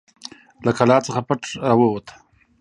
له قلا څخه پټ راووت.